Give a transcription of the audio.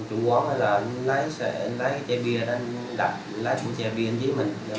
chú quán là lấy chai bia lấy chai bia dưới mình mình trả